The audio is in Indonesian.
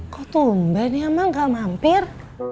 kok tumpah ini emang gak mampir